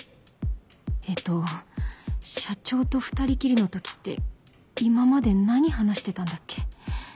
えっと社長と２人きりの時って今まで何話してたんだっけ